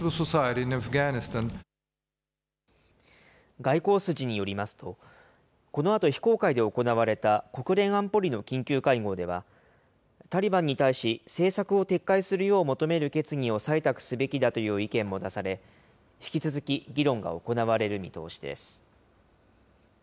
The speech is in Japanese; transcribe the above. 外交筋によりますと、このあと非公開で行われた国連安保理の緊急会合では、タリバンに対し、政策を撤回するよう求める決議を採択すべきだという意見も出され、引き続き、議論が行われる見通しです。